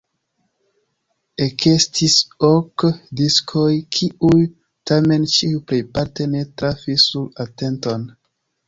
Ekestis ok diskoj, kiuj tamen ĉiuj plejparte ne trafis sur atenton.